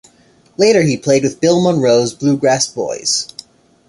Later he played with Bill Monroe's Bluegrass Boys.